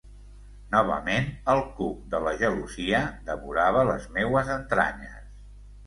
Novament el cuc de la gelosia devorava les meues entranyes.